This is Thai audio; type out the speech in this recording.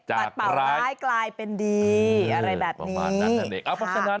จากป่าวร้ายกลายเป็นดีอะไรแบบนี้เพราะฉะนั้น